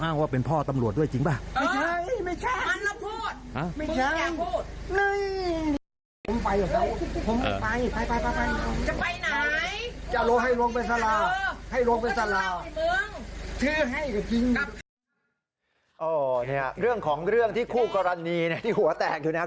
อ๋อเนี่ยเรื่องของเรื่องที่คู่กรณีเนี่ยที่หัวแตกอยู่นะครับ